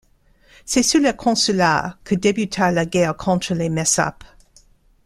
C'est sous leur consulat que débuta la guerre contre les Messapes.